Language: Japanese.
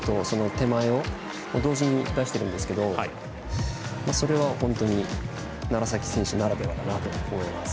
手前を同時に出しているんですがそれは、本当に楢崎選手ならではかなと思います。